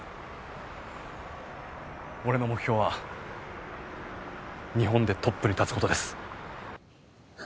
俺の目標は日本でトップに立つ事です。